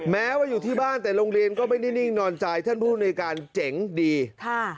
แม้ว่าอยู่ที่บ้านแต่โรงเรียนก็ไม่ได้นิ่งนอนใจท่านผู้ในการเจ๋งดีค่ะ